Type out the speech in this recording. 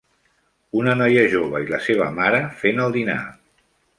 Una noia jove i la seva mare fent el dinar.